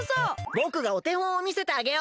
ぼくがおてほんをみせてあげよう。